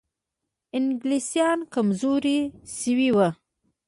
انګلیسان کمزوري شوي وو.